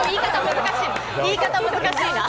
言い方難しいな。